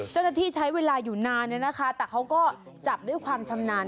เจ้าหน้าที่ใช้เวลาอยู่นานแต่เขาก็จับด้วยความชำนาญ